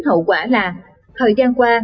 hậu quả là thời gian qua